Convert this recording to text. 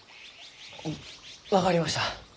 あ分かりました。